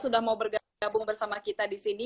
sudah mau bergabung bersama kita di sini